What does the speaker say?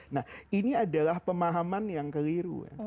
nah ini adalah pemahaman yang keliru